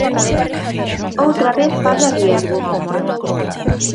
Outra vez falla Riesgo.